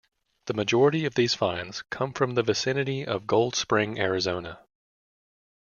The majority of these finds come from the vicinity of Gold Spring, Arizona.